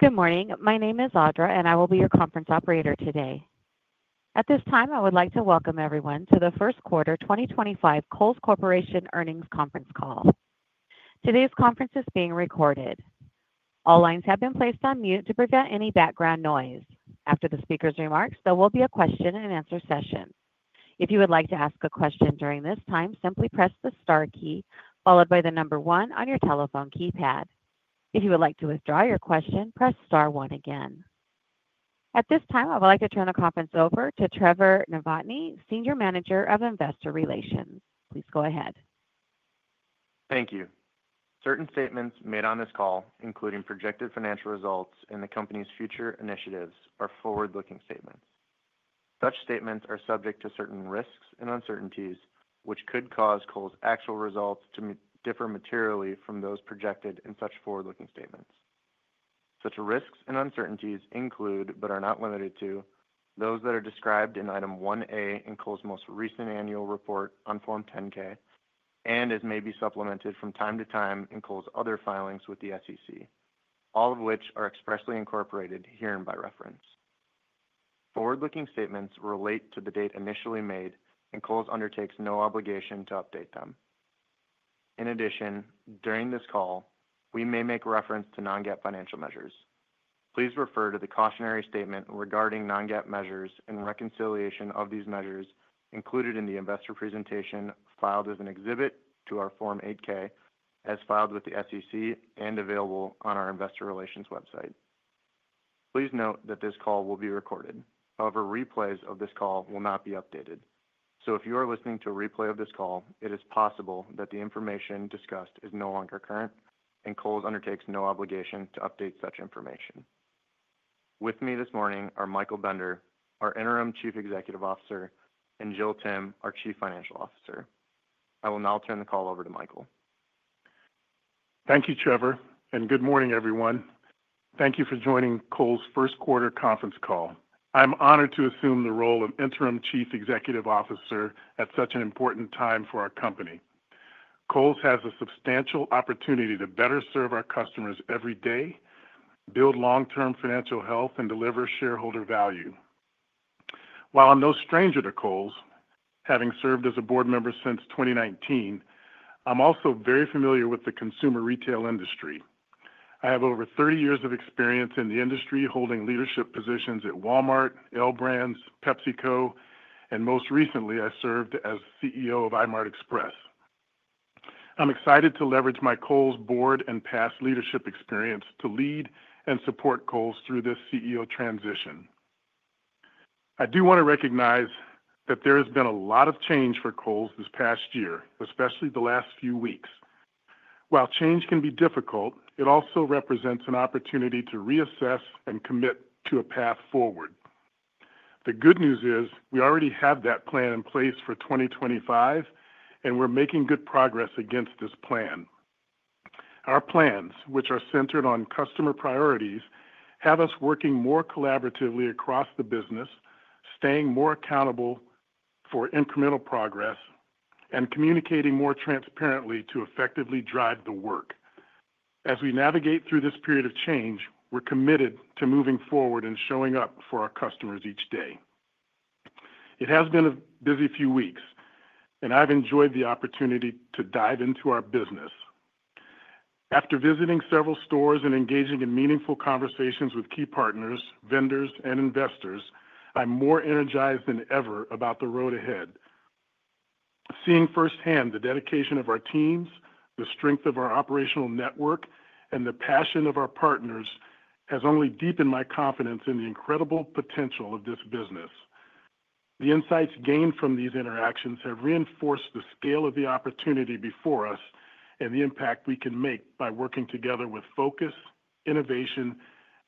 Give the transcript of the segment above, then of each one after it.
Good morning. My name is Audra, and I will be your conference operator today. At this time, I would like to welcome everyone to the first quarter 2025 Kohl's Corporation earnings conference call. Today's conference is being recorded. All lines have been placed on mute to prevent any background noise. After the speaker's remarks, there will be a question-and-answer session. If you would like to ask a question during this time, simply press the star key followed by the number one on your telephone keypad. If you would like to withdraw your question, press star one again. At this time, I would like to turn the conference over to Trevor Novotny, Senior Manager of Investor Relations. Please go ahead. Thank you. Certain statements made on this call, including projected financial results and the company's future initiatives, are forward-looking statements. Such statements are subject to certain risks and uncertainties, which could cause Kohl's actual results to differ materially from those projected in such forward-looking statements. Such risks and uncertainties include, but are not limited to, those that are described in item 1A in Kohl's most recent annual report on Form 10-K, and as may be supplemented from time to time in Kohl's other filings with the SEC, all of which are expressly incorporated herei Please refer to the cautionary statement regarding non-GAAP measures and reconciliation of these measures included in the investor presentation filed as an exhibit to our Form 8-K, as filed with the SEC and available on our investor relations website. Please note that this call will be recorded. However, replays of this call will not be updated. So if you are listening to a replay of this call, it is possible that the information discussed is no longer current, and Kohl's undertakes no obligation to update such information. With me this morning are Michael Bender, our interim Chief Executive Officer, and Jill Timm, our Chief Financial Officer. I will now turn the call over to Michael. Thank you, Trevor, and good morning, everyone. Thank you for joining Kohl's first quarter conference call. I'm honored to assume the role of interim Chief Executive Officer at such an important time for our company. Kohl's has a substantial opportunity to better serve our customers every day, build long-term financial health, and deliver shareholder value. While I'm no stranger to Kohl's, having served as a board member since 2019, I'm also very familiar with the consumer retail industry. I have over 30 years of experience in the industry, holding leadership positions at Walmart, L Brands, PepsiCo, and most recently, I served as CEO of Eyemart Express. I'm excited to leverage my Kohl's board and past leadership experience to lead and support Kohl's through this CEO transition. I do want to recognize that there has been a lot of change for Kohl's this past year, especially the last few weeks. While change can be difficult, it also represents an opportunity to reassess and commit to a path forward. The good news is we already have that plan in place for 2025, and we're making good progress against this plan. Our plans, which are centered on customer priorities, have us working more collaboratively across the business, staying more accountable for incremental progress, and communicating more transparently to effectively drive the work. As we navigate through this period of change, we're committed to moving forward and showing up for our customers each day. It has been a busy few weeks, and I've enjoyed the opportunity to dive into our business. After visiting several stores and engaging in meaningful conversations with key partners, vendors, and investors, I'm more energized than ever about the road ahead. Seeing firsthand the dedication of our teams, the strength of our operational network, and the passion of our partners has only deepened my confidence in the incredible potential of this business. The insights gained from these interactions have reinforced the scale of the opportunity before us and the impact we can make by working together with focus, innovation,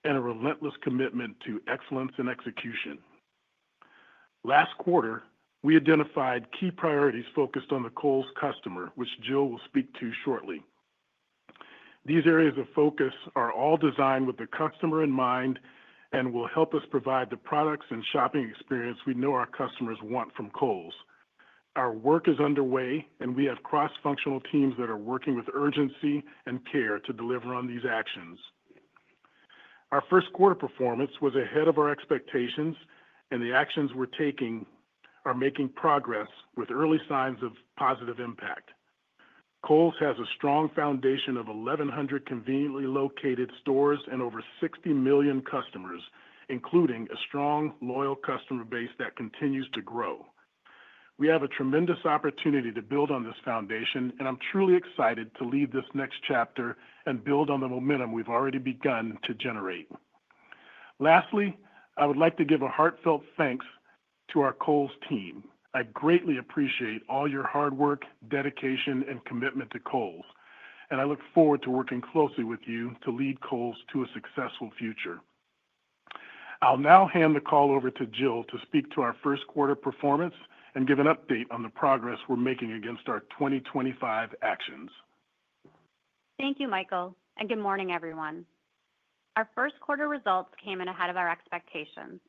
and a relentless commitment to excellence and execution. Last quarter, we identified key priorities focused on the Kohl's customer, which Jill will speak to shortly. These areas of focus are all designed with the customer in mind and will help us provide the products and shopping experience we know our customers want from Kohl's. Our work is underway, and we have cross-functional teams that are working with urgency and care to deliver on these actions. Our first quarter performance was ahead of our expectations, and the actions we're taking are making progress with early signs of positive impact. Kohl's has a strong foundation of 1,100 conveniently located stores and over 60 million customers, including a strong, loyal customer base that continues to grow. We have a tremendous opportunity to build on this foundation, and I'm truly excited to lead this next chapter and build on the momentum we've already begun to generate. Lastly, I would like to give a heartfelt thanks to our Kohl's team. I greatly appreciate all your hard work, dedication, and commitment to Kohl's, and I look forward to working closely with you to lead Kohl's to a successful future. I'll now hand the call over to Jill to speak to our first quarter performance and give an update on the progress we're making against our 2025 actions. Thank you, Michael, and good morning, everyone. Our first quarter results came in ahead of our expectations.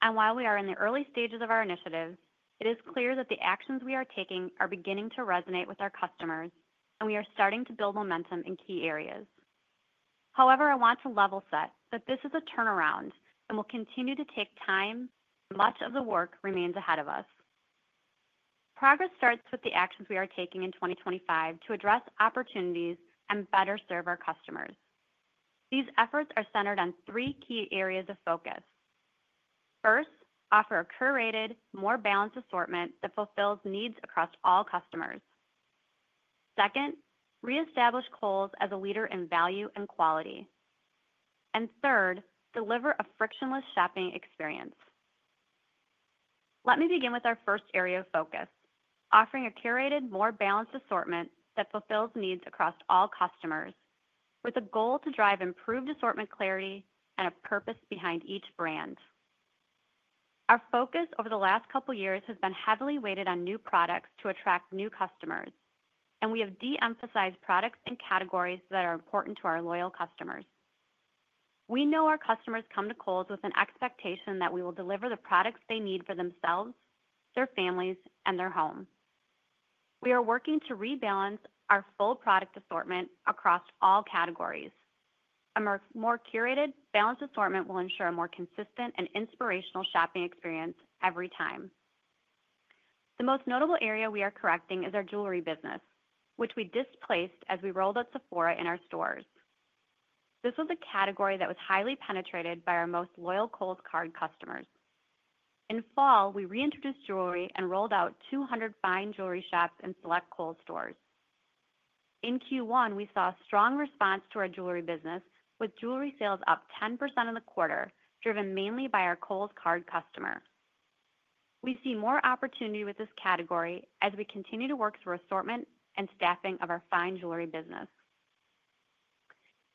And while we are in the early stages of our initiative, it is clear that the actions we are taking are beginning to resonate with our customers, and we are starting to build momentum in key areas. However, I want to level set that this is a turnaround and will continue to take time, and much of the work remains ahead of us. Progress starts with the actions we are taking in 2025 to address opportunities and better serve our customers. These efforts are centered on three key areas of focus. First, offer a curated, more balanced assortment that fulfills needs across all customers. Second, reestablish Kohl's as a leader in value and quality. Third, deliver a frictionless shopping experience. Let me begin with our first area of focus, offering a curated, more balanced assortment that fulfills needs across all customers, with a goal to drive improved assortment clarity and a purpose behind each brand. Our focus over the last couple of years has been heavily weighted on new products to attract new customers, and we have de-emphasized products and categories that are important to our loyal customers. We know our customers come to Kohl's with an expectation that we will deliver the products they need for themselves, their families, and their home. We are working to rebalance our full product assortment across all categories. A more curated, balanced assortment will ensure a more consistent and inspirational shopping experience every time. The most notable area we are correcting is our jewelry business, which we displaced as we rolled out Sephora in our stores. This was a category that was highly penetrated by our most loyal Kohl's card customers. In fall, we reintroduced jewelry and rolled out 200 fine jewelry shops in select Kohl's stores. In Q1, we saw a strong response to our jewelry business, with jewelry sales up 10% in the quarter, driven mainly by our Kohl's card customer. We see more opportunity with this category as we continue to work through assortment and staffing of our fine jewelry business.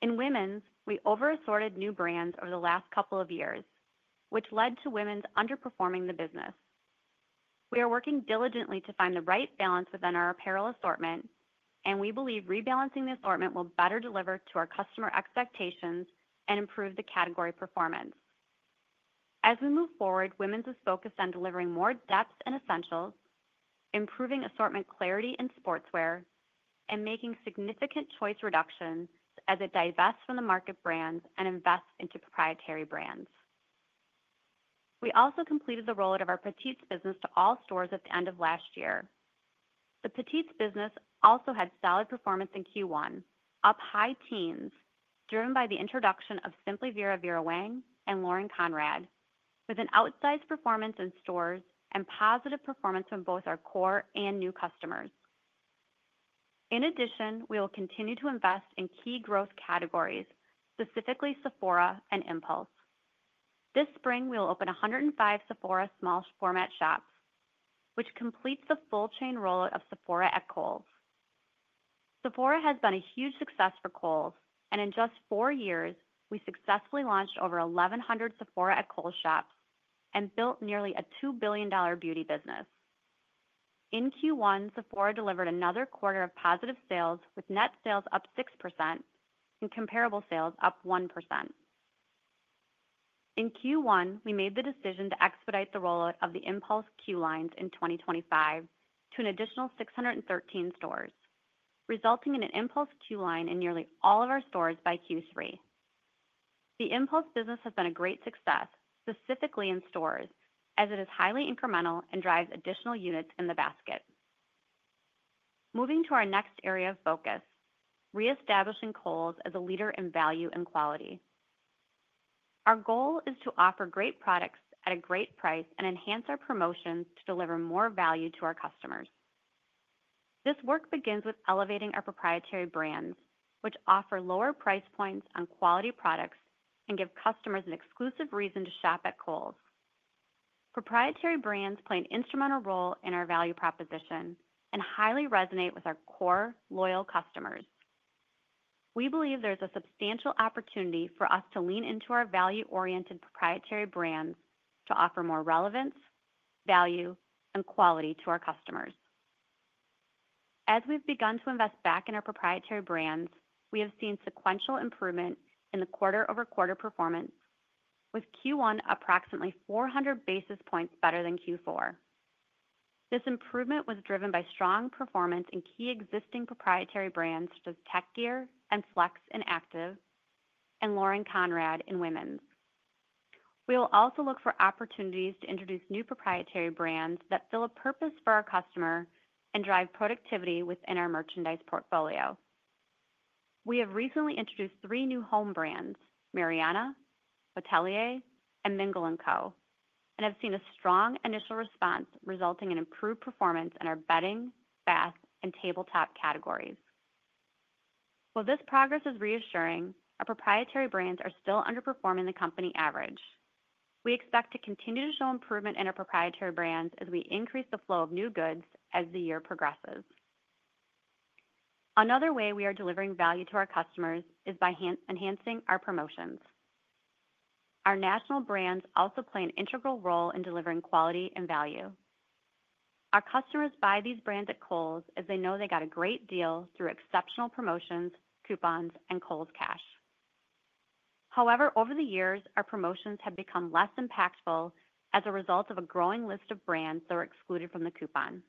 In women's, we over-assorted new brands over the last couple of years, which led to women's underperforming the business. We are working diligently to find the right balance within our apparel assortment, and we believe rebalancing the assortment will better deliver to our customer expectations and improve the category performance. As we move forward, women's is focused on delivering more depth and essentials, improving assortment clarity in sportswear, and making significant choice reductions as it divests from the market brands and invests into proprietary brands. We also completed the rollout of our Petites business to all stores at the end of last year. The Petites business also had solid performance in Q1, up high teens, driven by the introduction of Simply Vera Vera Wang and Lauren Conrad, with an outsized performance in stores and positive performance from both our core and new customers. In addition, we will continue to invest in key growth categories, specifically Sephora and Impulse. This spring, we will open 105 Sephora small format shops, which completes the full chain rollout of Sephora at Kohl's. Sephora has been a huge success for Kohl's, and in just four years, we successfully launched over 1,100 Sephora at Kohl's shops and built nearly a $2 billion beauty business. In Q1, Sephora delivered another quarter of positive sales, with net sales up 6% and comparable sales up 1%. In Q1, we made the decision to expedite the rollout of the Impulse Q Lines in 2025 to an additional 613 stores, resulting in an Impulse Q Line in nearly all of our stores by Q3. The Impulse business has been a great success, specifically in stores, as it is highly incremental and drives additional units in the basket. Moving to our next area of focus, reestablishing Kohl's as a leader in value and quality. Our goal is to offer great products at a great price and enhance our promotions to deliver more value to our customers. This work begins with elevating our proprietary brands, which offer lower price points on quality products and give customers an exclusive reason to shop at Kohl's. Proprietary brands play an instrumental role in our value proposition and highly resonate with our core loyal customers. We believe there's a substantial opportunity for us to lean into our value-oriented proprietary brands to offer more relevance, value, and quality to our customers. As we've begun to invest back in our proprietary brands, we have seen sequential improvement in the quarter-over-quarter performance, with Q1 approximately 400 basis points better than Q4. This improvement was driven by strong performance in key existing proprietary brands such as Tech Gear and Flex and Active, and Lauren Conrad in women's. We will also look for opportunities to introduce new proprietary brands that fill a purpose for our customer and drive productivity within our merchandise portfolio. We have recently introduced three new home brands, Mariana, Hotelier, and Mingle & Co., and have seen a strong initial response resulting in improved performance in our bedding, bath, and tabletop categories. While this progress is reassuring, our proprietary brands are still underperforming the company average. We expect to continue to show improvement in our proprietary brands as we increase the flow of new goods as the year progresses. Another way we are delivering value to our customers is by enhancing our promotions. Our national brands also play an integral role in delivering quality and value. Our customers buy these brands at Kohl's as they know they got a great deal through exceptional promotions, coupons, and Kohl's Cash. However, over the years, our promotions have become less impactful as a result of a growing list of brands that are excluded from the coupon.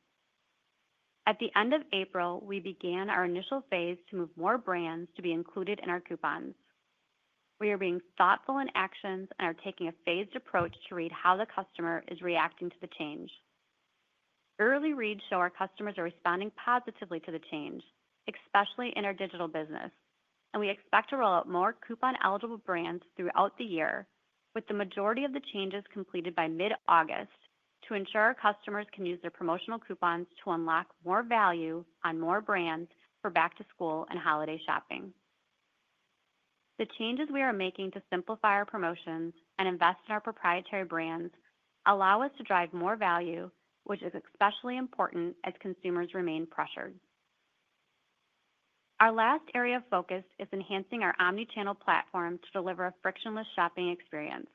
At the end of April, we began our initial phase to move more brands to be included in our coupons. We are being thoughtful in actions and are taking a phased approach to read how the customer is reacting to the change. Early reads show our customers are responding positively to the change, especially in our digital business, and we expect to roll out more coupon-eligible brands throughout the year, with the majority of the changes completed by mid-August to ensure our customers can use their promotional coupons to unlock more value on more brands for back-to-school and holiday shopping. The changes we are making to simplify our promotions and invest in our proprietary brands allow us to drive more value, which is especially important as consumers remain pressured. Our last area of focus is enhancing our omnichannel platform to deliver a frictionless shopping experience.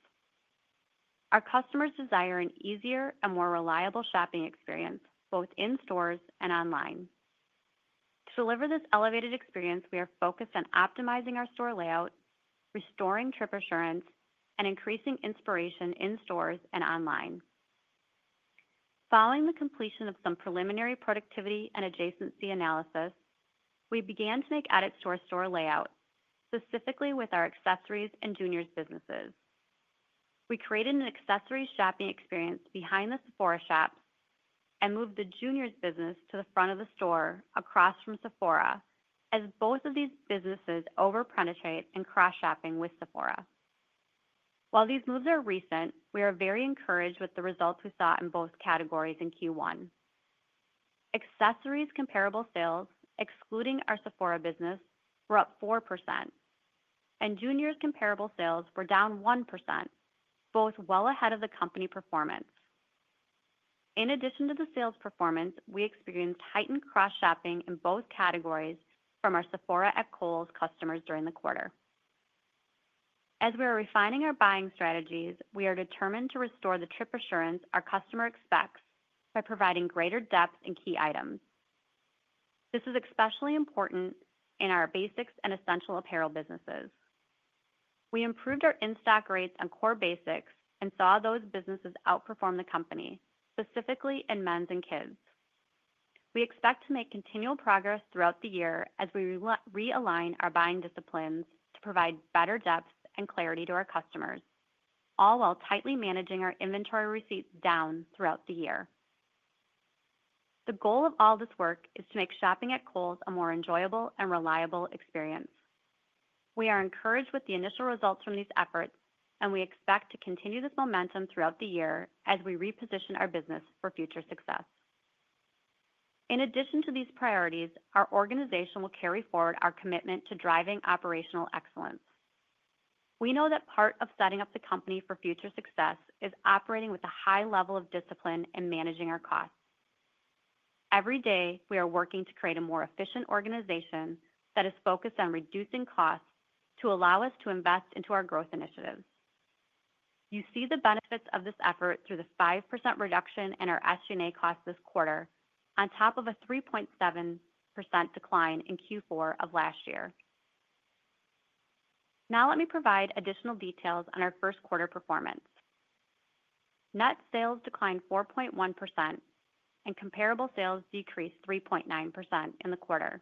Our customers desire an easier and more reliable shopping experience both in stores and online. To deliver this elevated experience, we are focused on optimizing our store layout, restoring trip assurance, and increasing inspiration in stores and online. Following the completion of some preliminary productivity and adjacency analysis, we began to make edits to our store layout, specifically with our accessories and juniors' businesses. We created an accessory shopping experience behind the Sephora shops and moved the juniors' business to the front of the store across from Sephora as both of these businesses over-penetrate and cross-shopping with Sephora. While these moves are recent, we are very encouraged with the results we saw in both categories in Q1. Accessories comparable sales, excluding our Sephora business, were up 4%, and juniors' comparable sales were down 1%, both well ahead of the company performance. In addition to the sales performance, we experienced heightened cross-shopping in both categories from our Sephora at Kohl's customers during the quarter. As we are refining our buying strategies, we are determined to restore the trip assurance our customer expects by providing greater depth in key items. This is especially important in our basics and essential apparel businesses. We improved our in-stock rates on core basics and saw those businesses outperform the company, specifically in men's and kids. We expect to make continual progress throughout the year as we realign our buying disciplines to provide better depth and clarity to our customers, all while tightly managing our inventory receipts down throughout the year. The goal of all this work is to make shopping at Kohl's a more enjoyable and reliable experience. We are encouraged with the initial results from these efforts, and we expect to continue this momentum throughout the year as we reposition our business for future success. In addition to these priorities, our organization will carry forward our commitment to driving operational excellence. We know that part of setting up the company for future success is operating with a high level of discipline in managing our costs. Every day, we are working to create a more efficient organization that is focused on reducing costs to allow us to invest into our growth initiatives. You see the benefits of this effort through the 5% reduction in our SG&A costs this quarter on top of a 3.7% decline in Q4 of last year. Now let me provide additional details on our first quarter performance. Net sales declined 4.1%, and comparable sales decreased 3.9% in the quarter.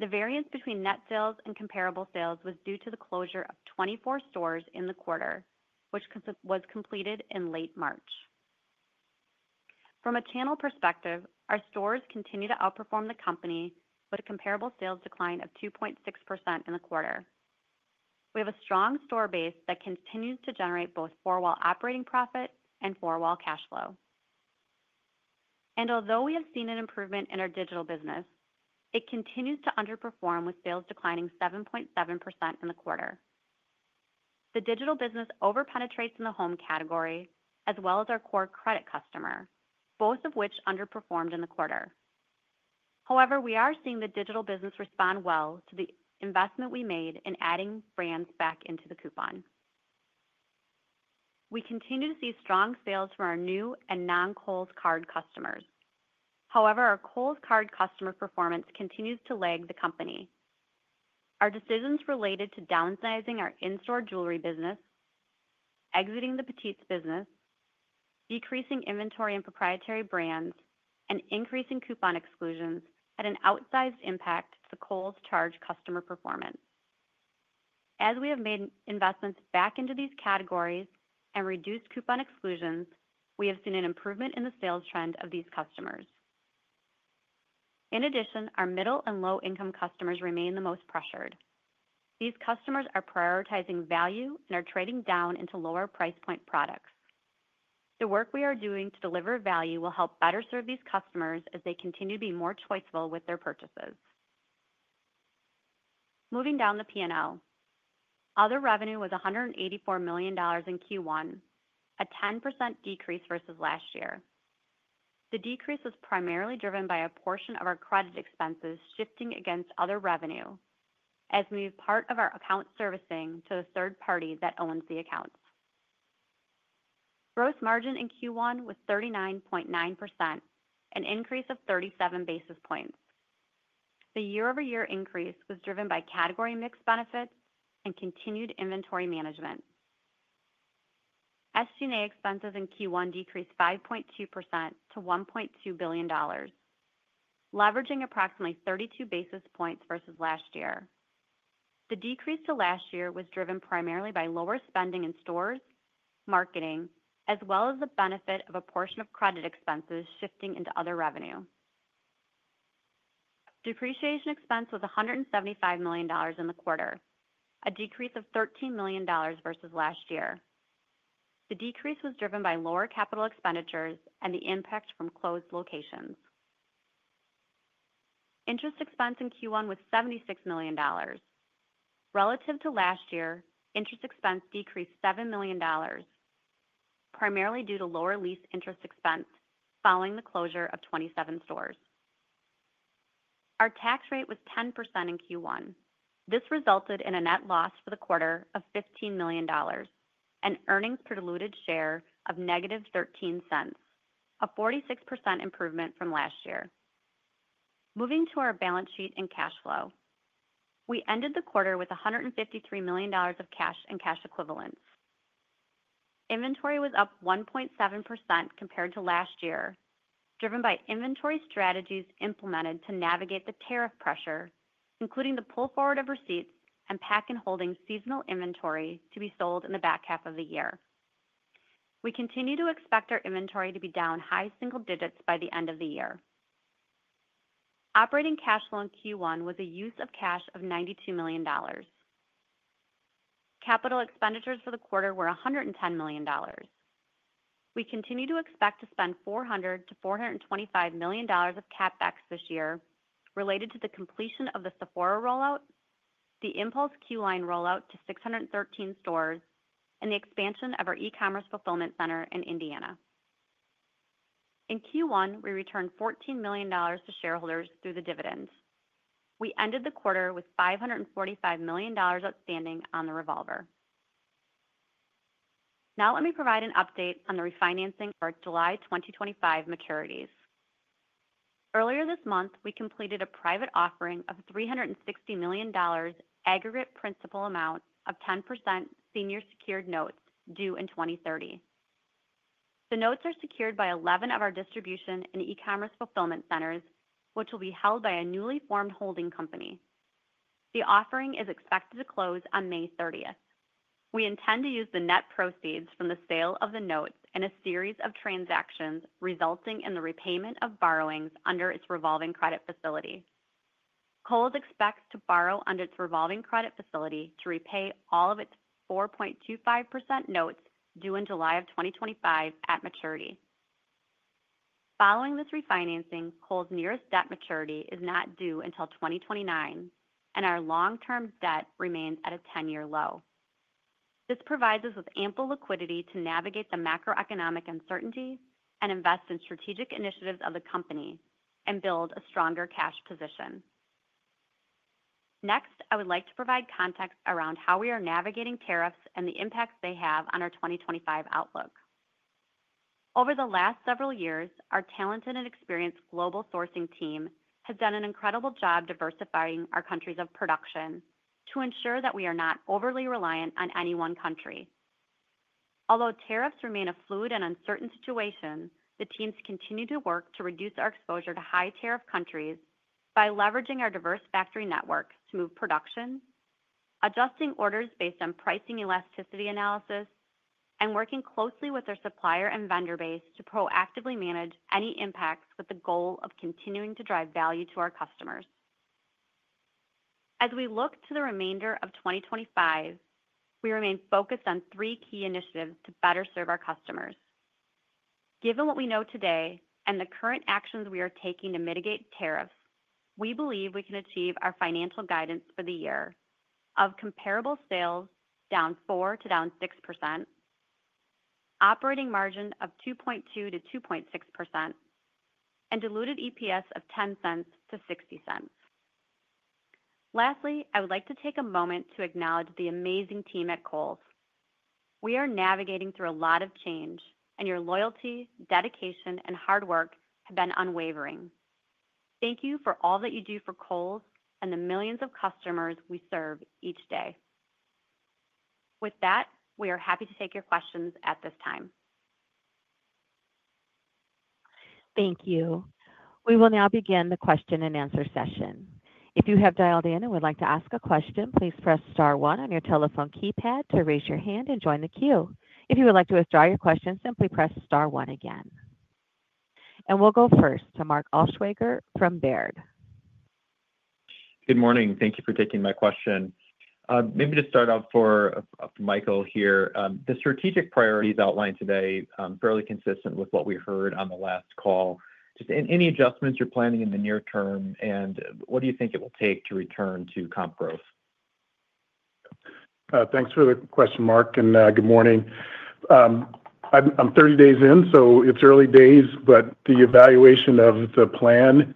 The variance between net sales and comparable sales was due to the closure of 24 stores in the quarter, which was completed in late March. From a channel perspective, our stores continue to outperform the company with a comparable sales decline of 2.6% in the quarter. We have a strong store base that continues to generate both four-wall operating profit and four-wall cash flow. Although we have seen an improvement in our digital business, it continues to underperform with sales declining 7.7% in the quarter. The digital business over-penetrates in the home category as well as our core credit customer, both of which underperformed in the quarter. However, we are seeing the digital business respond well to the investment we made in adding brands back into the coupon. We continue to see strong sales from our new and non-Kohl's card customers. However, our Kohl's card customer performance continues to lag the company. Our decisions related to downsizing our in-store jewelry business, exiting the petites business, decreasing inventory in proprietary brands, and increasing coupon exclusions had an outsized impact to Kohl's Charge customer performance. As we have made investments back into these categories and reduced coupon exclusions, we have seen an improvement in the sales trend of these customers. In addition, our middle and low-income customers remain the most pressured. These customers are prioritizing value and are trading down into lower price point products. The work we are doing to deliver value will help better serve these customers as they continue to be more choiceful with their purchases. Moving down the P&L, other revenue was $184 million in Q1, a 10% decrease versus last year. The decrease was primarily driven by a portion of our credit expenses shifting against other revenue as we moved part of our account servicing to the third party that owns the accounts. Gross margin in Q1 was 39.9%, an increase of 37 basis points. The year-over-year increase was driven by category mix benefits and continued inventory management. SG&A expenses in Q1 decreased 5.2% to $1.2 billion, leveraging approximately 32 basis points versus last year. The decrease to last year was driven primarily by lower spending in stores, marketing, as well as the benefit of a portion of credit expenses shifting into other revenue. Depreciation expense was $175 million in the quarter, a decrease of $13 million versus last year. The decrease was driven by lower capital expenditures and the impact from closed locations. Interest expense in Q1 was $76 million. Relative to last year, interest expense decreased $7 million, primarily due to lower lease interest expense following the closure of 27 stores. Our tax rate was 10% in Q1. This resulted in a net loss for the quarter of $15 million and earnings per diluted share of negative 13 cents, a 46% improvement from last year. Moving to our balance sheet and cash flow, we ended the quarter with $153 million of cash and cash equivalents. Inventory was up 1.7% compared to last year, driven by inventory strategies implemented to navigate the tariff pressure, including the pull forward of receipts and pack and holding seasonal inventory to be sold in the back half of the year. We continue to expect our inventory to be down high single digits by the end of the year. Operating cash flow in Q1 was a use of cash of $92 million. Capital expenditures for the quarter were $110 million. We continue to expect to spend 400-$425 million of CapEx this year related to the completion of the Sephora rollout, the Impulse Q Line rollout to 613 stores, and the expansion of our e-commerce fulfillment center in Indiana. In Q1, we returned $14 million to shareholders through the dividends. We ended the quarter with $545 million outstanding on the revolver. Now let me provide an update on the refinancing of our July 2025 maturities. Earlier this month, we completed a private offering of $360 million aggregate principal amount of 10% senior secured notes due in 2030. The notes are secured by 11 of our distribution and e-commerce fulfillment centers, which will be held by a newly formed holding company. The offering is expected to close on May 30th. We intend to use the net proceeds from the sale of the notes in a series of transactions resulting in the repayment of borrowings under its revolving credit facility. Kohl's expects to borrow under its revolving credit facility to repay all of its 4.25% notes due in July of 2025 at maturity. Following this refinancing, Kohl's nearest debt maturity is not due until 2029, and our long-term debt remains at a 10-year low. This provides us with ample liquidity to navigate the macroeconomic uncertainty and invest in strategic initiatives of the company and build a stronger cash position. Next, I would like to provide context around how we are navigating tariffs and the impact they have on our 2025 outlook. Over the last several years, our talented and experienced global sourcing team has done an incredible job diversifying our countries of production to ensure that we are not overly reliant on any one country. Although tariffs remain a fluid and uncertain situation, the teams continue to work to reduce our exposure to high-tariff countries by leveraging our diverse factory network to move production, adjusting orders based on pricing elasticity analysis, and working closely with our supplier and vendor base to proactively manage any impacts with the goal of continuing to drive value to our customers. As we look to the remainder of 2025, we remain focused on three key initiatives to better serve our customers. Given what we know today and the current actions we are taking to mitigate tariffs, we believe we can achieve our financial guidance for the year of comparable sales down 4-6%, operating margin of 2.2-2.6%, and diluted EPS of $0.10-$0.60. Lastly, I would like to take a moment to acknowledge the amazing team at Kohl's. We are navigating through a lot of change, and your loyalty, dedication, and hard work have been unwavering. Thank you for all that you do for Kohl's and the millions of customers we serve each day. With that, we are happy to take your questions at this time. Thank you. We will now begin the question and answer session. If you have dialed in and would like to ask a question, please press star one on your telephone keypad to raise your hand and join the queue. If you would like to withdraw your question, simply press star one again. We'll go first to Mark Alswager from Baird. Good morning. Thank you for taking my question. Maybe to start off for Michael here, the strategic priorities outlined today are fairly consistent with what we heard on the last call. Just any adjustments you're planning in the near term, and what do you think it will take to return to comp growth? Thanks for the question, Mark, and good morning. I'm 30 days in, so it's early days, but the evaluation of the plan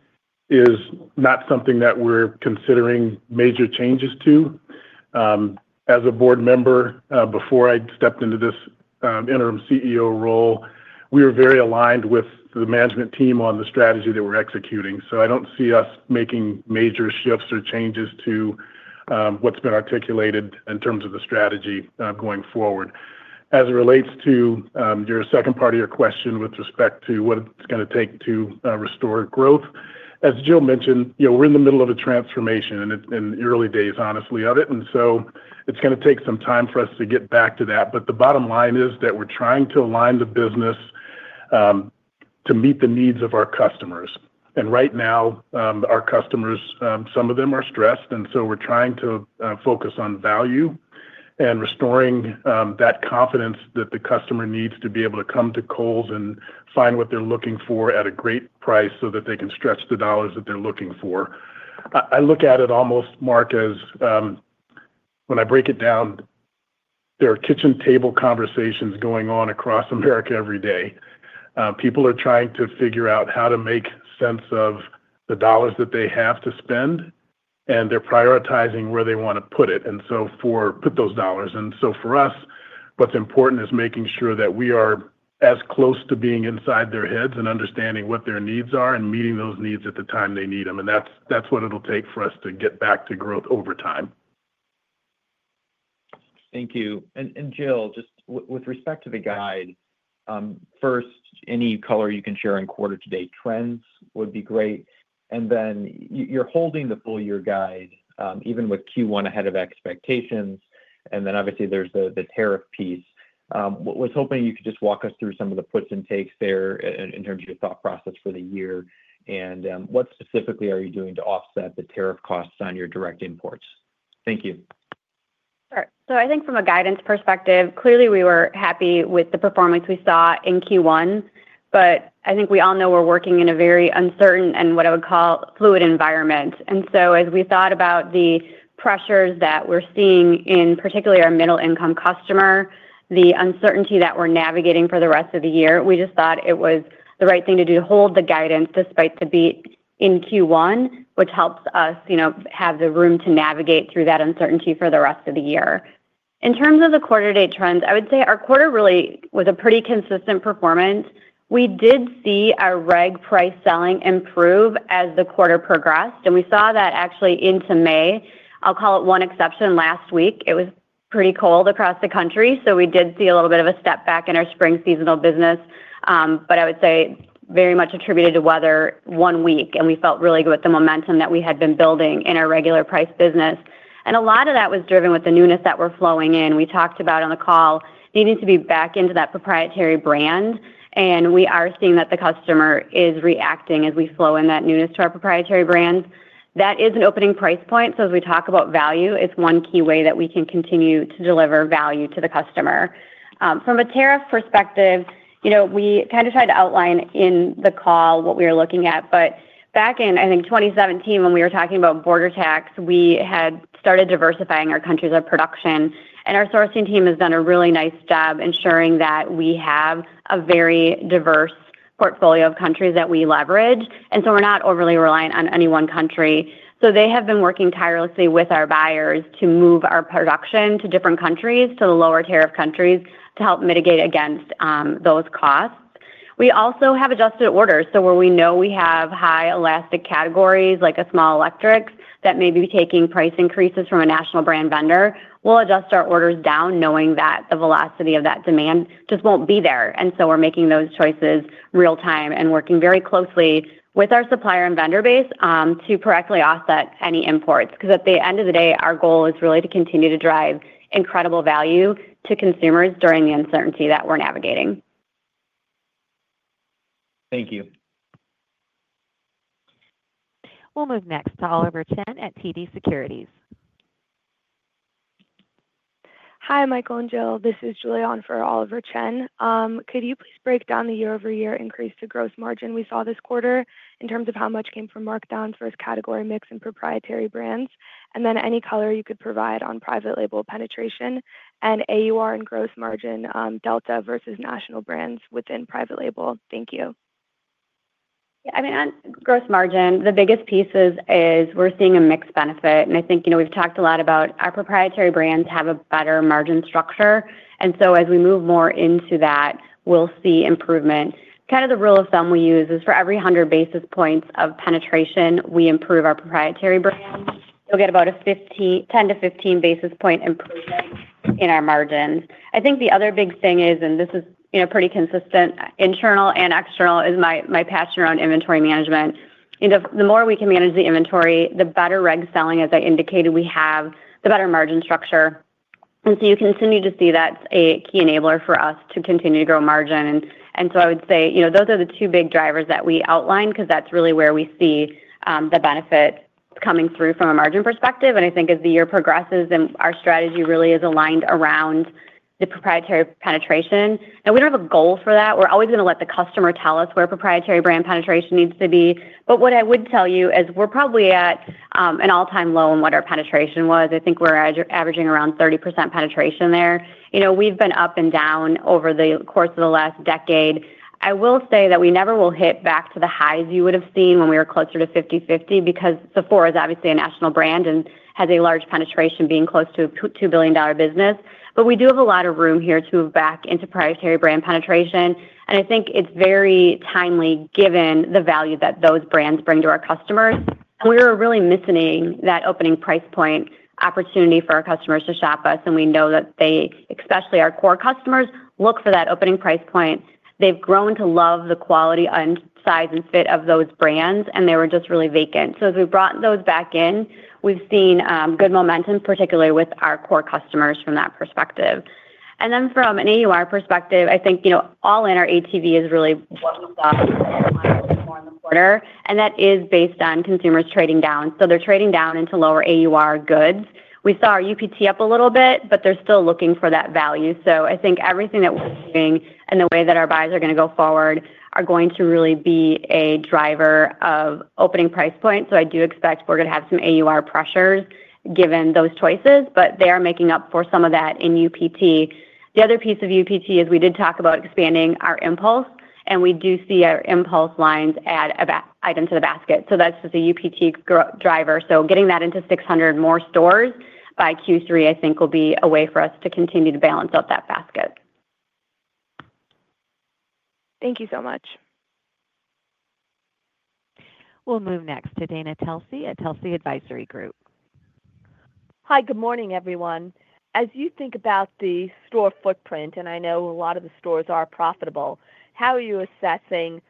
is not something that we're considering major changes to. As a board member, before I stepped into this interim CEO role, we were very aligned with the management team on the strategy that we're executing. So I don't see us making major shifts or changes to what's been articulated in terms of the strategy going forward. As it relates to your second part of your question with respect to what it's going to take to restore growth, as Jill mentioned, we're in the middle of a transformation and early days, honestly, of it. So it's going to take some time for us to get back to that. The bottom line is that we're trying to align the business to meet the needs of our customers. And right now, our customers, some of them are stressed, and we are trying to focus on value and restoring that confidence that the customer needs to be able to come to Kohl's and find what they are looking for at a great price so that they can stretch the dollars that they are looking for. I look at it almost, Mark, as when I break it down, there are kitchen table conversations going on across America every day. People are trying to figure out how to make sense of the dollars that they have to spend, and they are prioritizing where they want to put it and put those dollars. For us, what is important is making sure that we are as close to being inside their heads and understanding what their needs are and meeting those needs at the time they need them. That is what it will take for us to get back to growth over time. Thank you. And Jill, just with respect to the guide, first, any color you can share in quarter-to-date trends would be great. You are holding the full-year guide, even with Q1 ahead of expectations. Obviously, there is the tariff piece. I was hoping you could just walk us through some of the puts and takes there in terms of your thought process for the year. And what specifically are you doing to offset the tariff costs on your direct imports? Thank you. Sure. I think from a guidance perspective, clearly, we were happy with the performance we saw in Q1, but I think we all know we are working in a very uncertain and what I would call fluid environment. And so as we thought about the pressures that we're seeing in particularly our middle-income customer, the uncertainty that we're navigating for the rest of the year, we just thought it was the right thing to do to hold the guidance despite the beat in Q1, which helps us have the room to navigate through that uncertainty for the rest of the year. In terms of the quarter-to-date trends, I would say our quarter really was a pretty consistent performance. We did see our reg price selling improve as the quarter progressed, and we saw that actually into May. I'll call it one exception. Last week, it was pretty cold across the country, so we did see a little bit of a step back in our spring seasonal business. But I would say very much attributed to weather one week, and we felt really good with the momentum that we had been building in our regular price business. And a lot of that was driven with the newness that we're flowing in. We talked about on the call needing to be back into that proprietary brand, and we are seeing that the customer is reacting as we flow in that newness to our proprietary brand. That is an opening price point. So as we talk about value, it's one key way that we can continue to deliver value to the customer. From a tariff perspective, we kind of tried to outline in the call what we were looking at, but back in, I think, 2017, when we were talking about border tax, we had started diversifying our countries of production. And our sourcing team has done a really nice job ensuring that we have a very diverse portfolio of countries that we leverage, and so we're not overly reliant on any one country. So they have been working tirelessly with our buyers to move our production to different countries, to the lower tariff countries, to help mitigate against those costs. We also have adjusted orders. So where we know we have high elastic categories, like a small electric that may be taking price increases from a national brand vendor, we'll adjust our orders down knowing that the velocity of that demand just will not be there. And so we're making those choices real-time and working very closely with our supplier and vendor base to correctly offset any imports. Because at the end of the day, our goal is really to continue to drive incredible value to consumers during the uncertainty that we're navigating. Thank you. We'll move next to Oliver Chen at TD Securities. Hi, Michael and Jill. This is Julie on for Oliver Chen. Could you please break down the year-over-year increase to gross margin we saw this quarter in terms of how much came from markdowns versus category mix and proprietary brands, and then any color you could provide on private label penetration and AUR and gross margin delta versus national brands within private label? Thank you. Yeah. I mean, on gross margin, the biggest pieces is we're seeing a mixed benefit. I think we've talked a lot about our proprietary brands have a better margin structure. And so as we move more into that, we'll see improvement. Kind of the rule of thumb we use is for every 100 basis points of penetration we improve our proprietary brand, you'll get about a 10-15 basis point improvement in our margins. I think the other big thing is, and this is pretty consistent, internal and external, is my passion around inventory management. The more we can manage the inventory, the better reg selling, as I indicated, we have, the better margin structure. You continue to see that's a key enabler for us to continue to grow margin. And so I would say those are the two big drivers that we outlined because that's really where we see the benefit coming through from a margin perspective. And I think as the year progresses and our strategy really is aligned around the proprietary penetration, and we do not have a goal for that. We're always going to let the customer tell us where proprietary brand penetration needs to be. But what I would tell you is we are probably at an all-time low in what our penetration was. I think we are averaging around 30% penetration there. We've been up and down over the course of the last decade. I will say that we never will hit back to the highs you would have seen when we were closer to 50/50 because Sephora is obviously a national brand and has a large penetration being close to a $2 billion business. But we do have a lot of room here to move back into proprietary brand penetration. And I think it is very timely given the value that those brands bring to our customers. We were really missing that opening price point opportunity for our customers to shop us. We know that they, especially our core customers, look for that opening price point. They've grown to love the quality and size and fit of those brands, and they were just really vacant. As we brought those back in, we've seen good momentum, particularly with our core customers from that perspective. From an AUR perspective, I think all in our ATV is really what we saw more in the quarter. And that is based on consumers trading down. They are trading down into lower AUR goods. We saw our UPT up a little bit, but they are still looking for that value. So I think everything that we're doing and the way that our buys are going to go forward are going to really be a driver of opening price points. I do expect we're going to have some AUR pressures given those choices, but they are making up for some of that in UPT. The other piece of UPT is we did talk about expanding our impulse, and we do see our impulse lines add an item to the basket. So that's just a UPT driver. Getting that into 600 more stores by Q3, I think, will be a way for us to continue to balance out that basket. Thank you so much. We'll move next to Dana Tulsey at Telsey Advisory Group. Hi, good morning, everyone. As you think about the store footprint, and I know a lot of the stores are profitable, how are you assessing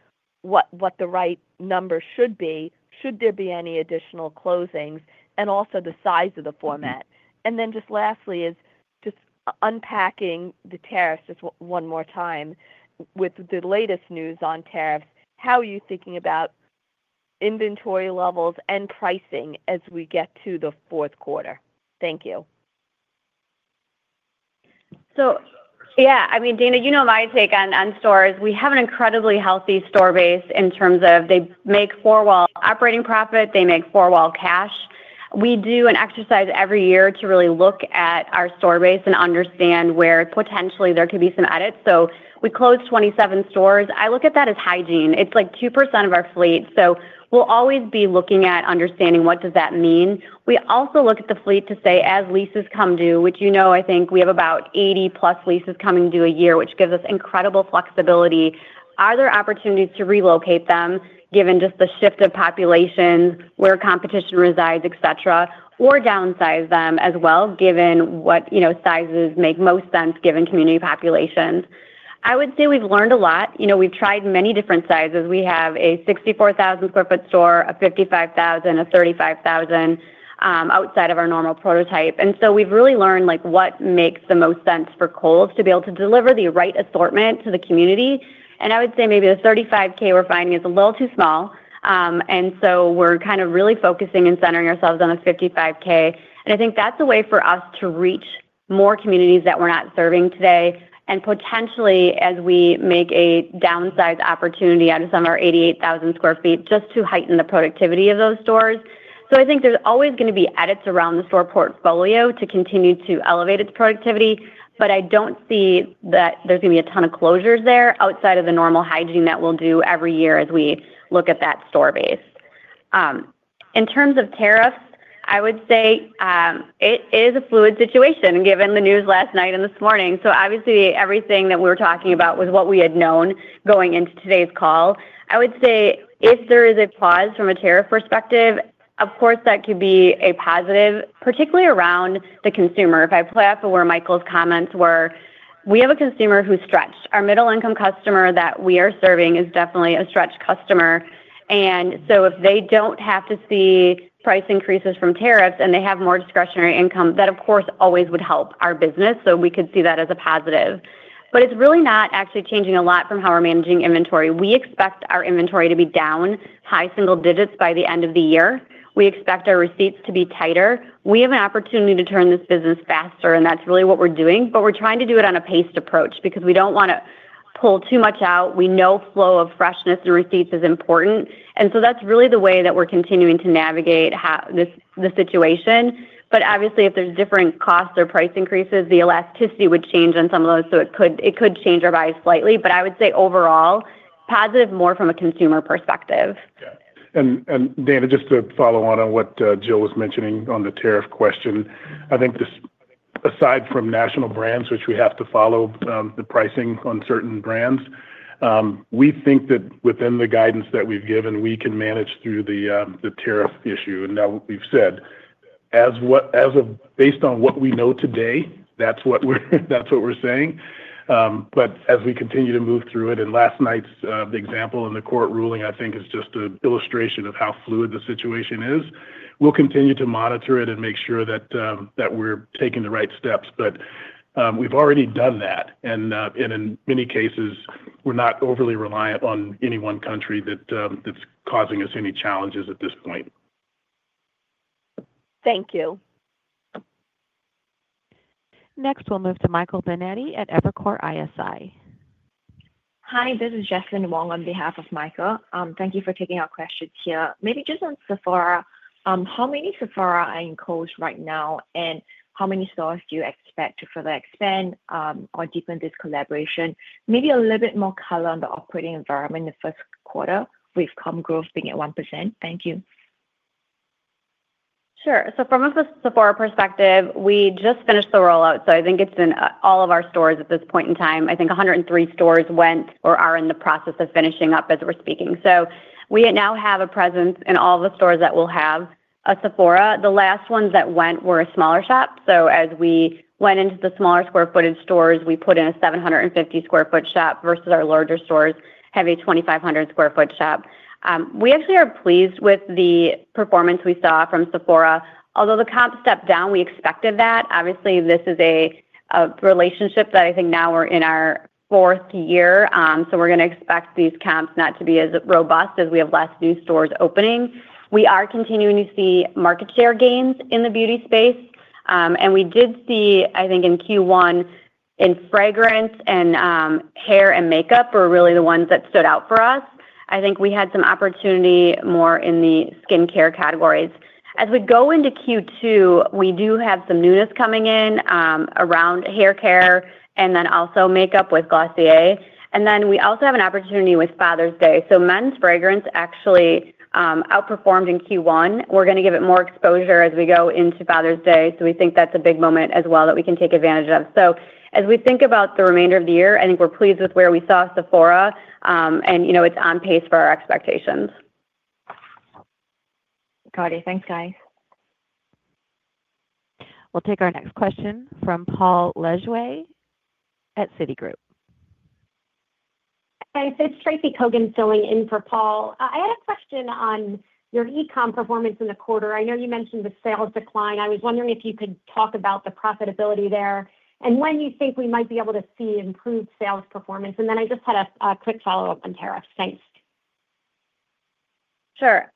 what the right number should be? Should there be any additional closings? And also the size of the format? And then just lastly, just unpacking the tariffs just one more time. With the latest news on tariffs, how are you thinking about inventory levels and pricing as we get to the fourth quarter? Thank you. Yeah, I mean, Dana, you know my take on stores. We have an incredibly healthy store base in terms of they make four-wall operating profit. They make four-wall cash. We do an exercise every year to really look at our store base and understand where potentially there could be some edits. So we closed 27 stores. I look at that as hygiene. It is like 2% of our fleet. We will always be looking at understanding what does that mean. We also look at the fleet to say, as leases come due, which you know I think we have about 80-plus leases coming due a year, which gives us incredible flexibility. Are there opportunities to relocate them given just the shift of population where competition resides, etc., or downsize them as well given what sizes make most sense given community populations? I would say we have learned a lot. We've tried many different sizes. We have a 64,000 sq ft store, a 55,000, a 35,000 outside of our normal prototype. We have really learned what makes the most sense for Kohl's to be able to deliver the right assortment to the community. And I would say maybe the 35K we are finding is a little too small. We are kind of really focusing and centering ourselves on the 55K. I think that's a way for us to reach more communities that we're not serving today and potentially as we make a downsize opportunity out of some of our 88,000 sq ft just to heighten the productivity of those stores. So I think there's always going to be edits around the store portfolio to continue to elevate its productivity, but I don't see that there's going to be a ton of closures there outside of the normal hygiene that we'll do every year as we look at that store base. In terms of tariffs, I would say it is a fluid situation given the news last night and this morning. Obviously, everything that we were talking about was what we had known going into today's call. I would say if there is a pause from a tariff perspective, of course, that could be a positive, particularly around the consumer. If I play up where Michael's comments were, we have a consumer who's stretched. Our middle-income customer that we are serving is definitely a stretched customer. And If they do not have to see price increases from tariffs and they have more discretionary income, that, of course, always would help our business. So we could see that as a positive. It is really not actually changing a lot from how we are managing inventory. We expect our inventory to be down high single digits by the end of the year. We expect our receipts to be tighter. We have an opportunity to turn this business faster, and that is really what we are doing. But we're trying to do it on a paced approach because we don't want to pull too much out. We know flow of freshness and receipts is important. And so that's really the way that we're continuing to navigate the situation. Obviously, if there are different costs or price increases, the elasticity would change on some of those. It could change our bias slightly. But I would say overall, positive more from a consumer perspective. Yeah. Dana, just to follow on what Jill was mentioning on the tariff question, I think aside from national brands, which we have to follow the pricing on certain brands, we think that within the guidance that we've given, we can manage through the tariff issue. Now we've said, based on what we know today, that's what we're saying. But as we continue to move through it, and last night's example and the court ruling, I think, is just an illustration of how fluid the situation is. We'll continue to monitor it and make sure that we're taking the right steps. We've already done that. In many cases, we're not overly reliant on any one country that's causing us any challenges at this point. Thank you. Next, we'll move to Michael Benetti at Evercore ISI. Hi, this is Jesselyn Wong on behalf of Michael. Thank you for taking our questions here. Maybe just on Sephora, how many Sephora are in Kohl's right now, and how many stores do you expect to further expand or deepen this collaboration? Maybe a little bit more color on the operating environment in the first quarter with Kohl's growth being at 1%. Thank you. Sure. From a Sephora perspective, we just finished the rollout. So I think it is in all of our stores at this point in time. I think 103 stores went or are in the process of finishing up as we are speaking. So we now have a presence in all the stores that will have a Sephora. The last ones that went were a smaller shop. So as we went into the smaller square footage stores, we put in a 750 sq ft shop versus our larger stores having a 2,500 sq ft shop. We actually are pleased with the performance we saw from Sephora. Although the comp stepped down, we expected that. Obviously, this is a relationship that I think now we are in our fourth year. So we're going to expect these comps not to be as robust as we have less new stores opening. We are continuing to see market share gains in the beauty space. And we did see, I think, in Q1, fragrance and hair and makeup were really the ones that stood out for us. I think we had some opportunity more in the skincare categories. As we go into Q2, we do have some newness coming in around hair care and then also makeup with Glossier. And then we also have an opportunity with Father's Day. Men's fragrance actually outperformed in Q1. We are going to give it more exposure as we go into Father's Day. So we think that is a big moment as well that we can take advantage of. As we think about the remainder of the year, I think we are pleased with where we saw Sephora, and it is on pace for our expectations. Got it. Thanks, guys. We'll take our next question from Paul Lejue at Citigroup. Hey, it's Tracy Kogan filling in for Paul. I had a question on your e-comm performance in the quarter. I know you mentioned the sales decline. I was wondering if you could talk about the profitability there and when you think we might be able to see improved sales performance. And then I just had a quick follow-up on tariffs. Thanks. Sure.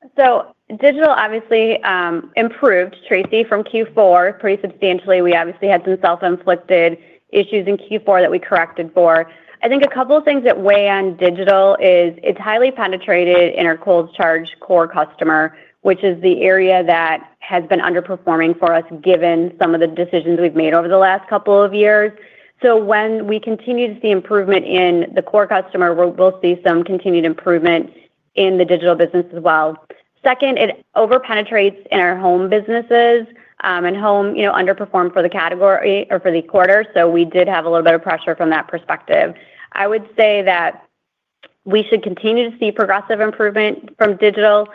Digital obviously improved, Tracy, from Q4 pretty substantially. We obviously had some self-inflicted issues in Q4 that we corrected for. I think a couple of things that weigh on digital is it's highly penetrated in our Kohl's Charged core customer, which is the area that has been underperforming for us given some of the decisions we've made over the last couple of years. So when we continue to see improvement in the core customer, we'll see some continued improvement in the digital business as well. Second, it over-penetrates in our home businesses and home underperformed for the category or for the quarter. So we did have a little bit of pressure from that perspective. I would say that we should continue to see progressive improvement from digital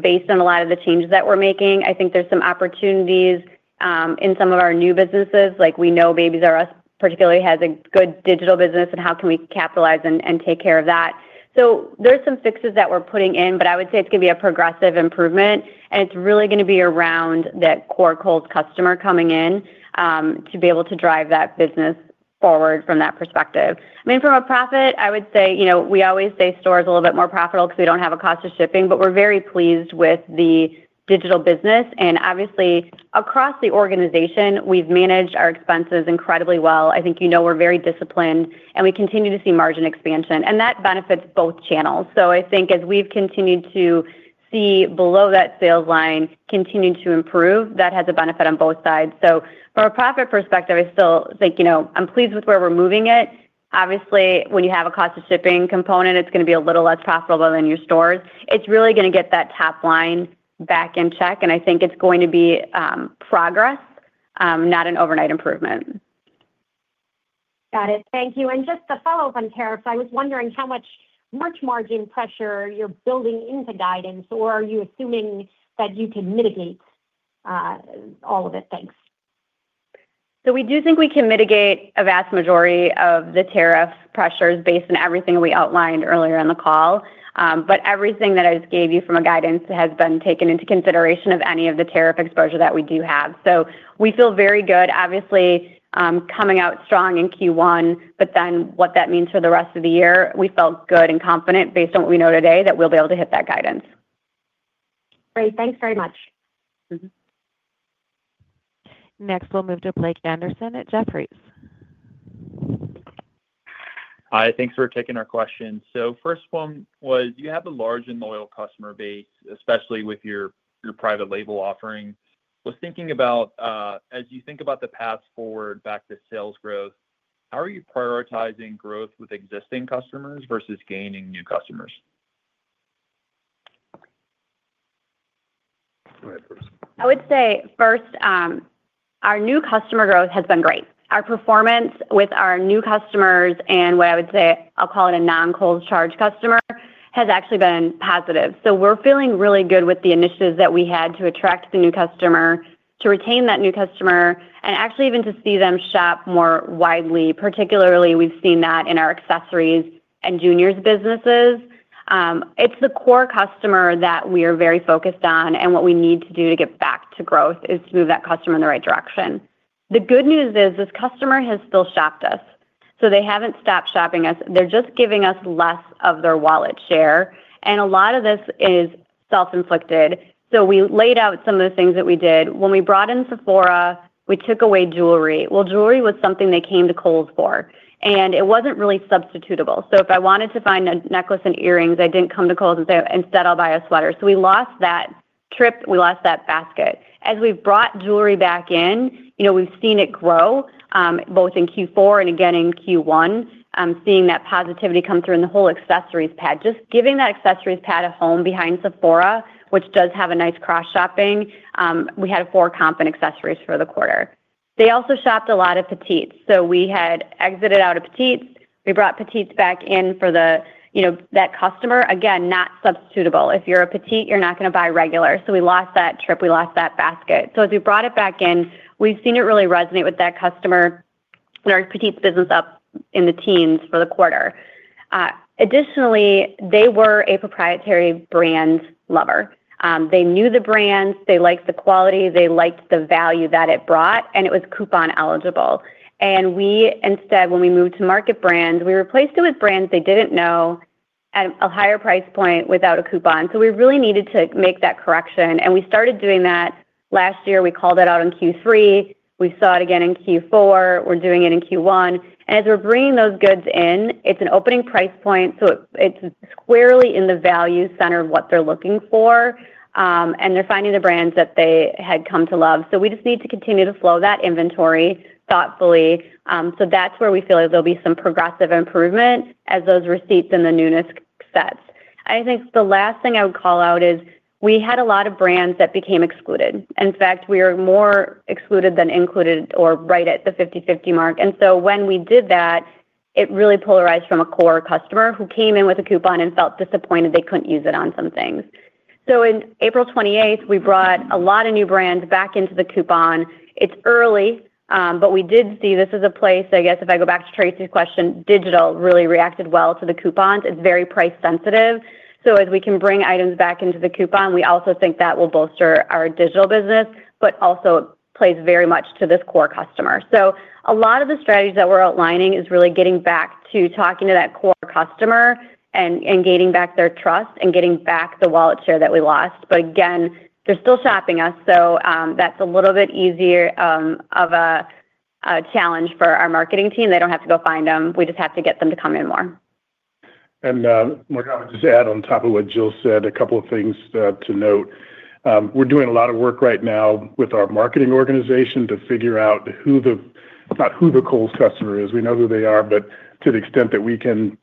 based on a lot of the changes that we're making. I think there's some opportunities in some of our new businesses. We know Baby Zara particularly has a good digital business, and how can we capitalize and take care of that? So there are some fixes that we're putting in, but I would say it's going to be a progressive improvement. It's really going to be around that core Kohl's customer coming in to be able to drive that business forward from that perspective. I mean, from a profit, I would say we always say stores are a little bit more profitable because we do not have a cost of shipping, but we are very pleased with the digital business. Obviously, across the organization, we have managed our expenses incredibly well. I think you know we are very disciplined, and we continue to see margin expansion. And that benefits both channels. I think as we have continued to see below that sales line continue to improve, that has a benefit on both sides. From a profit perspective, I still think I am pleased with where we are moving it. Obviously, when you have a cost of shipping component, it is going to be a little less profitable than your stores. It is really going to get that top line back in check. And I think it is going to be progress, not an overnight improvement. Got it. Thank you. Just to follow up on tariffs, I was wondering how much margin pressure you're building into guidance, or are you assuming that you can mitigate all of it? Thanks. So we do think we can mitigate a vast majority of the tariff pressures based on everything we outlined earlier in the call. But everything that I just gave you from a guidance has been taken into consideration of any of the tariff exposure that we do have. We feel very good, obviously, coming out strong in Q1, but then what that means for the rest of the year, we felt good and confident based on what we know today that we'll be able to hit that guidance. Great. Thanks very much. Next, we'll move to Blake Anderson at Jefferies. Hi. Thanks for taking our questions. First one was, you have a large and loyal customer base, especially with your private label offering. Was thinking about, as you think about the path forward back to sales growth, how are you prioritizing growth with existing customers versus gaining new customers? I would say first, our new customer growth has been great. Our performance with our new customers and what I would say, I'll call it a non-Kohl's Charge customer, has actually been positive. So we're feeling really good with the initiatives that we had to attract the new customer, to retain that new customer, and actually even to see them shop more widely. Particularly, we've seen that in our accessories and juniors businesses. It's the core customer that we are very focused on, and what we need to do to get back to growth is to move that customer in the right direction. The good news is this customer has still shopped us. They have not stopped shopping us. They are just giving us less of their wallet share. A lot of this is self-inflicted. So we laid out some of the things that we did. When we brought in Sephora, we took away jewelry. Jewelry was something they came to Kohl's for, and it was not really substitutable. So if I wanted to find a necklace and earrings, I did not come to Kohl's and say, "Instead, I will buy a sweater." We lost that trip. We lost that basket. As we have brought jewelry back in, we've seen it grow both in Q4 and again in Q1, seeing that positivity come through in the whole accessories pad. Just giving that accessories pad a home behind Sephora, which does have a nice cross-shopping, we had 4 comp in accessories for the quarter. They also shopped a lot of petites. So we had exited out of petites. We brought petites back in for that customer. Again, not substitutable. If you're a petite, you're not going to buy regular. We lost that trip. We lost that basket. As we brought it back in, we've seen it really resonate with that customer, and our petites business is up in the teens for the quarter. Additionally, they were a proprietary brand lover. They knew the brands. They liked the quality. They liked the value that it brought, and it was coupon eligible. When we moved to market brands, we replaced it with brands they did not know at a higher price point without a coupon. So we really needed to make that correction. And we started doing that last year. We called it out in Q3. We saw it again in Q4. We're doing it in Q1. And as we're bringing those goods in, it's an opening price point. It is squarely in the value center of what they're looking for, and they're finding the brands that they had come to love. So we just need to continue to flow that inventory thoughtfully. That is where we feel like there will be some progressive improvement as those receipts and the newness sets. I think the last thing I would call out is we had a lot of brands that became excluded. In fact, we were more excluded than included or right at the 50/50 mark. And so when we did that, it really polarized from a core customer who came in with a coupon and felt disappointed they could not use it on some things. On April 28th, we brought a lot of new brands back into the coupon. It's early, but we did see this is a place, I guess, if I go back to Tracy's question, digital really reacted well to the coupons. It's very price-sensitive. So as we can bring items back into the coupon, we also think that will bolster our digital business, but also it plays very much to this core customer. So a lot of the strategies that we're outlining is really getting back to talking to that core customer and gaining back their trust and getting back the wallet share that we lost. But again, they're still shopping us. That's a little bit easier of a challenge for our marketing team. They do not have to go find them. We just have to get them to come in more. I would just add on top of what Jill said, a couple of things to note. We're doing a lot of work right now with our marketing organization to figure out who the Kohl's customer is. We know who they are, but to the extent that we can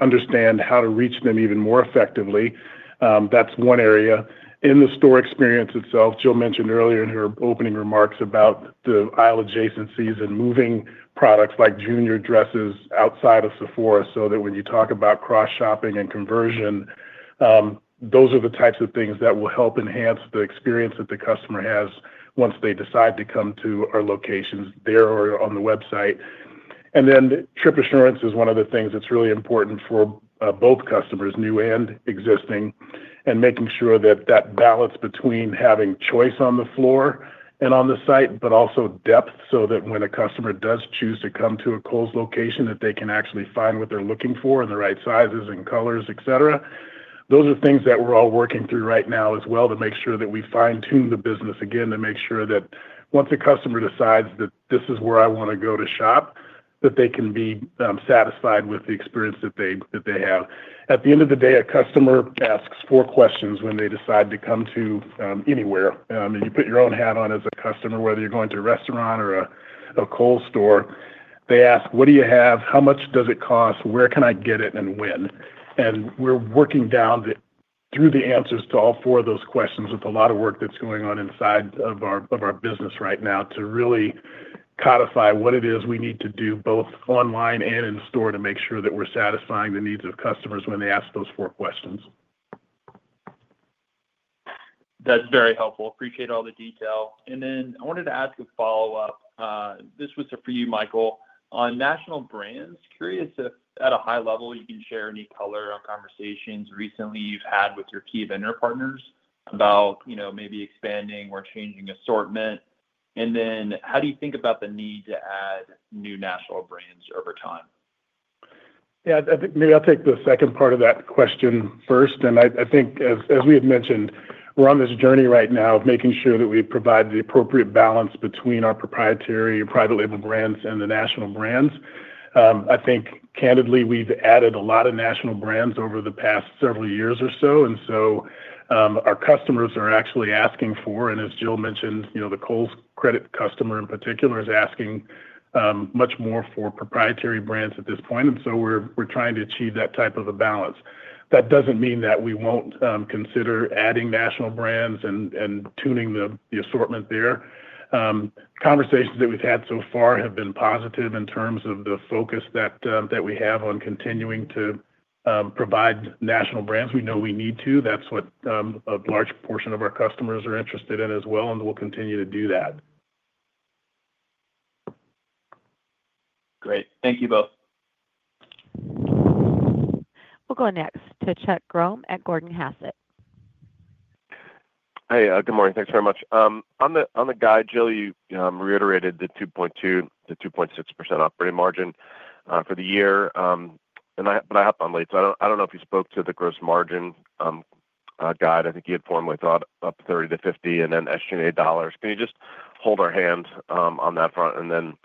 understand how to reach them even more effectively, that's one area. In the store experience itself, Jill mentioned earlier in her opening remarks about the aisle adjacencies and moving products like junior dresses outside of Sephora so that when you talk about cross-shopping and conversion, those are the types of things that will help enhance the experience that the customer has once they decide to come to our locations there or on the website. And then trip assurance is one of the things that's really important for both customers, new and existing, and making sure that that balance between having choice on the floor and on the site, but also depth so that when a customer does choose to come to a Kohl's location, that they can actually find what they're looking for and the right sizes and colors, etc. Those are things that we're all working through right now as well to make sure that we fine-tune the business again to make sure that once a customer decides that this is where I want to go to shop, that they can be satisfied with the experience that they have. At the end of the day, a customer asks four questions when they decide to come to anywhere. You put your own hat on as a customer, whether you're going to a restaurant or a Kohl's store. They ask, "What do you have? How much does it cost? Where can I get it and when?" And we're working down through the answers to all four of those questions with a lot of work that's going on inside of our business right now to really codify what it is we need to do both online and in store to make sure that we're satisfying the needs of customers when they ask those four questions. That's very helpful. Appreciate all the detail. I wanted to ask a follow-up. This was for you, Michael. On national brands, curious if at a high level, you can share any color on conversations recently you've had with your key vendor partners about maybe expanding or changing assortment. And then how do you think about the need to add new national brands over time? Maybe I'll take the second part of that question first. I think, as we have mentioned, we're on this journey right now of making sure that we provide the appropriate balance between our proprietary private label brands and the national brands. I think, candidly, we've added a lot of national brands over the past several years or so. Our customers are actually asking for, and as Jill mentioned, the Kohl's Credit customer in particular is asking much more for proprietary brands at this point. We're trying to achieve that type of a balance. That does not mean that we will not consider adding national brands and tuning the assortment there. Conversations that we've had so far have been positive in terms of the focus that we have on continuing to provide national brands. We know we need to. That's what a large portion of our customers are interested in as well, and we'll continue to do that. Great. Thank you both. We'll go next to Chuck Grohme at Gordon Haskett. Hey, good morning. Thanks very much. On the guide, Jill, you reiterated the 2.2-2.6% operating margin for the year. But I hope I'm late. So I don't know if you spoke to the gross margin guide. I think you had formerly thought up 30 to 50 and then estimated dollars. Can you just hold our hands on that front? And then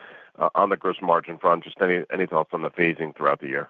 on the gross margin front, just any thoughts on the phasing throughout the year?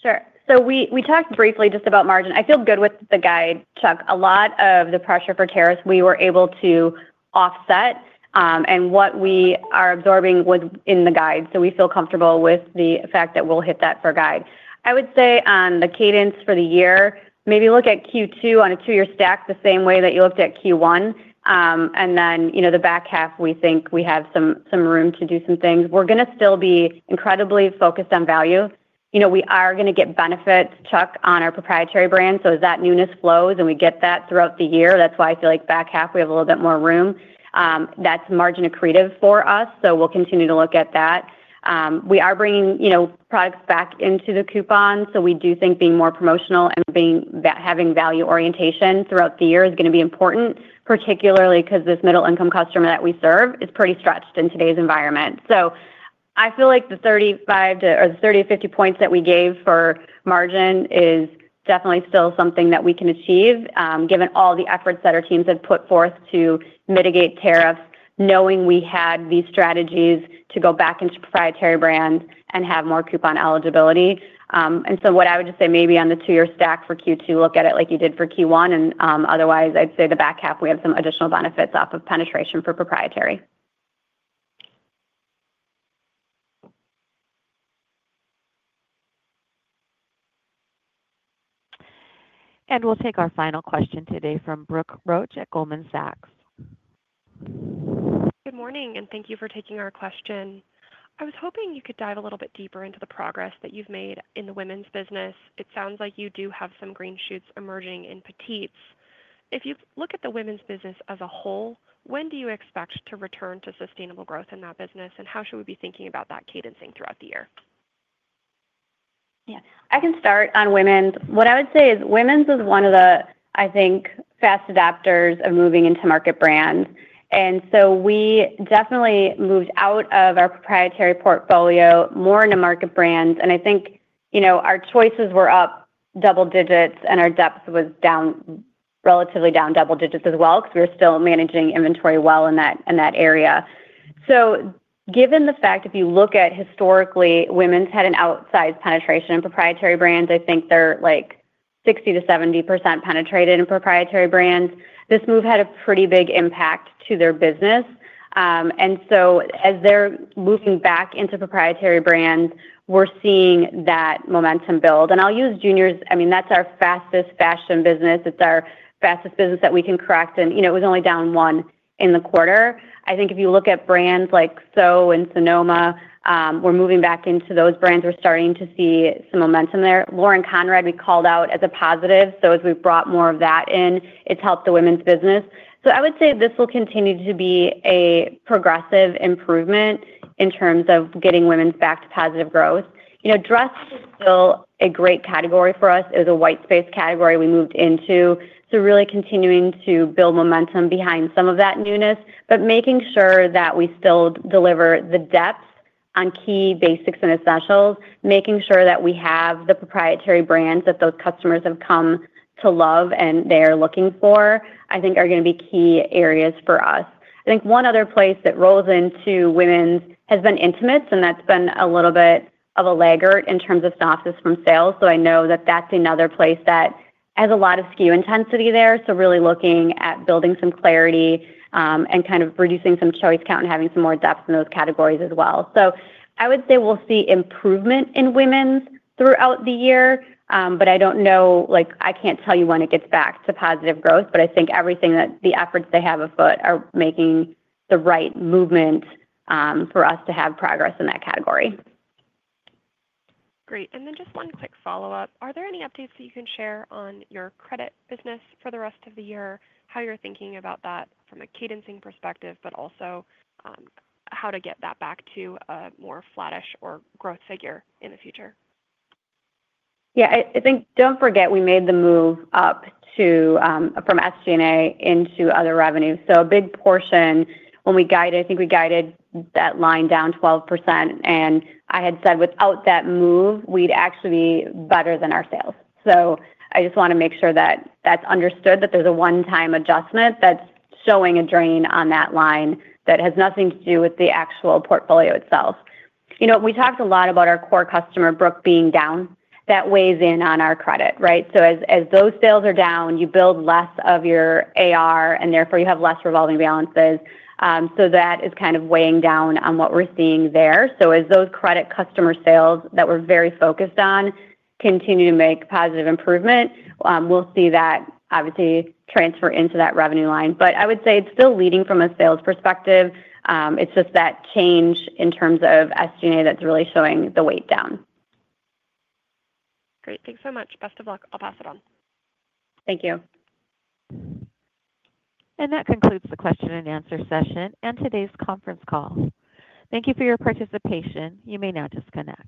Sure. So we talked briefly just about margin. I feel good with the guide, Chuck. A lot of the pressure for tariffs we were able to offset, and what we are absorbing was in the guide. So we feel comfortable with the fact that we'll hit that for guide. I would say on the cadence for the year, maybe look at Q2 on a two-year stack the same way that you looked at Q1. The back half, we think we have some room to do some things. We're going to still be incredibly focused on value. We are going to get benefits, Chuck, on our proprietary brand. So as that newness flows and we get that throughout the year, that's why I feel like back half we have a little bit more room. That's margin accretive for us. So we'll continue to look at that. We are bringing products back into the coupon. So we do think being more promotional and having value orientation throughout the year is going to be important, particularly because this middle-income customer that we serve is pretty stretched in today's environment. So I feel like the 30-50 basis points that we gave for margin is definitely still something that we can achieve, given all the efforts that our teams have put forth to mitigate tariffs, knowing we had these strategies to go back into proprietary brands and have more coupon eligibility. And so what I would just say maybe on the two-year stack for Q2, look at it like you did for Q1. Otherwise, I'd say the back half, we have some additional benefits off of penetration for proprietary. We'll take our final question today from Brooke Roach at Goldman Sachs. Good morning, and thank you for taking our question. I was hoping you could dive a little bit deeper into the progress that you've made in the women's business. It sounds like you do have some green shoots emerging in petites. If you look at the women's business as a whole, when do you expect to return to sustainable growth in that business, and how should we be thinking about that cadencing throughout the year? Yeah. I can start on women's. What I would say is women's is one of the, I think, fast adapters of moving into market brands. And we definitely moved out of our proprietary portfolio more into market brands. And I think our choices were up double digits, and our depth was relatively down double digits as well because we were still managing inventory well in that area. So given the fact, if you look at historically, women's had an outsized penetration in proprietary brands. I think they're like 60-70% penetrated in proprietary brands. This move had a pretty big impact to their business. As they're moving back into proprietary brands, we're seeing that momentum build. I'll use juniors. I mean, that's our fastest fashion business. It's our fastest business that we can correct. It was only down one in the quarter. I think if you look at brands like Sew and Sonoma, we're moving back into those brands. We're starting to see some momentum there. Lauren Conrad, we called out as a positive. As we brought more of that in, it's helped the women's business. I would say this will continue to be a progressive improvement in terms of getting women's back to positive growth. Dress is still a great category for us. It was a white space category we moved into. So really continuing to build momentum behind some of that newness, but making sure that we still deliver the depth on key basics and essentials, making sure that we have the proprietary brands that those customers have come to love and they are looking for, I think are going to be key areas for us. I think one other place that rolls into women's has been intimates, and that's been a little bit of a laggard in terms of synopsis from sales. So I know that that's another place that has a lot of SKU intensity there. So really looking at building some clarity and kind of reducing some choice count and having some more depth in those categories as well. So I would say we'll see improvement in women's throughout the year, but I don't know. I can't tell you when it gets back to positive growth, but I think everything that the efforts they have afoot are making the right movement for us to have progress in that category. Great. And just one quick follow-up. Are there any updates that you can share on your credit business for the rest of the year, how you're thinking about that from a cadencing perspective, but also how to get that back to a more flattish or growth figure in the future? Yeah. I think don't forget we made the move up from SG&A into other revenue. A big portion when we guided, I think we guided that line down 12%. I had said without that move, we'd actually be better than our sales. So I just want to make sure that that's understood, that there's a one-time adjustment that's showing a drain on that line that has nothing to do with the actual portfolio itself. We talked a lot about our core customer, Brooke, being down. That weighs in on our credit, right? As those sales are down, you build less of your AR, and therefore you have less revolving balances. That is kind of weighing down on what we're seeing there. So as those credit customer sales that we're very focused on continue to make positive improvement, we'll see that obviously transfer into that revenue line. I would say it's still leading from a sales perspective. It's just that change in terms of SG&A that's really showing the weight down. Great. Thanks so much. Best of luck. I'll pass it on. Thank you. That concludes the question and answer session and today's conference call. Thank you for your participation. You may now disconnect.